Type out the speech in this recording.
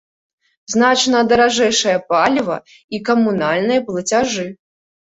Значна даражэйшае паліва і камунальныя плацяжы.